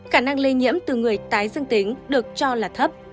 khả năng lây nhiễm từ người tái dương tính được cho là thấp